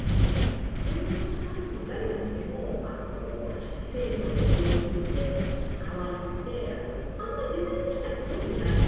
老若男女誰が見ても、清楚で上品で、かわいくて、あんまりデザイン的には凝ってない。